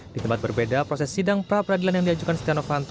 di tempat berbeda proses sidang pra peradilan yang diajukan setia novanto